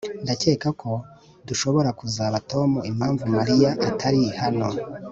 Ndakeka ko dushobora kubaza Tom impamvu Mariya atari hano